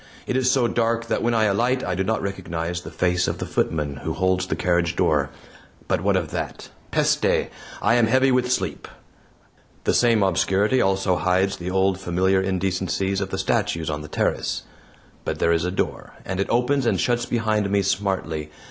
It is so dark that when I alight I do not recognize the face of the footman who holds the carriage door. But what of that? PESTE! I am heavy with sleep. The same obscurity also hides the old familiar indecencies of the statues on the terrace; but there is a door, and it opens and shuts behind me smartly.